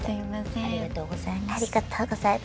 ありがとうございます。